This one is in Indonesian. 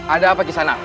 ada apa di sana